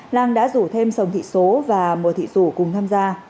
lan đã rủ thêm sống thị số và mùa thị dũ cùng tham gia